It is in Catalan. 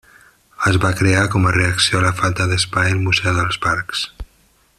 Es va crear com a reacció a la falta d'espai al Museu del Parc.